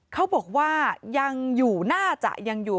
เขาบอกว่ายังอยู่น่าจะยังอยู่